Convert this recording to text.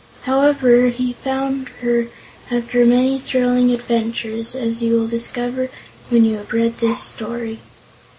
However, he found her, after many thrilling adventures, as you will discover when you have read this story.